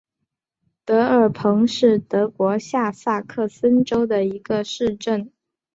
德尔彭是德国下萨克森州的一个市镇。